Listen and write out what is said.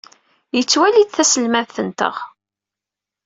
Nettwali-t d aselmad-nteɣ.